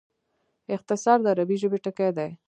اختصار د عربي ژبي ټکی دﺉ.